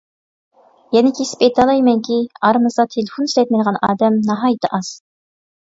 يەنە كېسىپ ئېيتالايمەنكى، ئارىمىزدا تېلېفون ئىشلەتمەيدىغان ئادەم ناھايىتى ئاز!